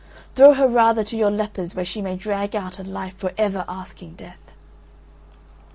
Throw her rather to your lepers where she may drag out a life for ever asking death."